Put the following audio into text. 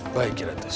baik kira tus